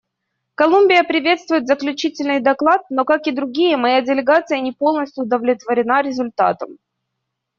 Колумбия приветствует заключительный доклад, но, как и другие, моя делегация не полностью удовлетворена результатом.